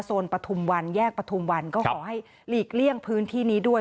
ปฐุมวันแยกปฐุมวันก็ขอให้หลีกเลี่ยงพื้นที่นี้ด้วย